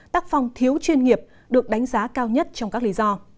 tắc phong thiếu chuyên nghiệp được đánh giá cao nhất trong các lý do